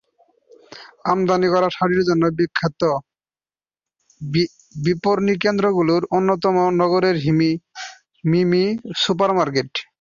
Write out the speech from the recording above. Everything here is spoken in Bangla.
আমদানি করা শাড়ির জন্য বিখ্যাত বিপণিকেন্দ্রগুলোর অন্যতম নগরের মিমি সুপার মার্কেট।